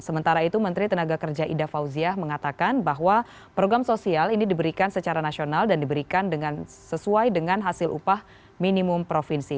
sementara itu menteri tenaga kerja ida fauziah mengatakan bahwa program sosial ini diberikan secara nasional dan diberikan sesuai dengan hasil upah minimum provinsi